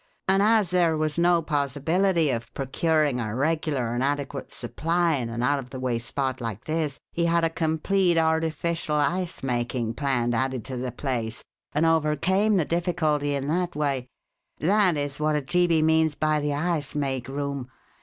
And as there was no possibility of procuring a regular and adequate supply in an out of the way spot like this, he had a complete artificial ice making plant added to the place, and overcame the difficulty in that way. That is what Ojeebi means by the 'ice make room.'